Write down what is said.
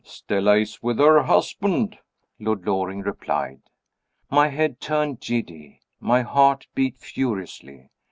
"Stella is with her husband," Lord Loring replied. My head turned giddy, my heart beat furiously.